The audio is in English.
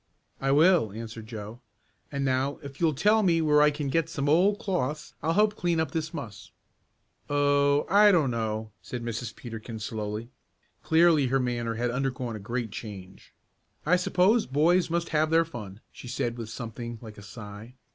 "I will," answered Joe. "And now if you'll tell me where I can get some old cloths I'll help clean up this muss." "Oh, I don't know," said Mrs. Peterkin slowly. Clearly her manner had undergone a great change. "I suppose boys must have their fun," she said with something like a sigh.